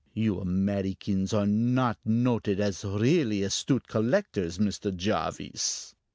You Americans are not noted as really astute collectors, Mr. Jarvis."